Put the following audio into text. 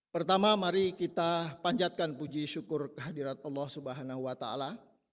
pertama mari kita panjatkan puji syukur kehadirat allah subhanahu wa ta ala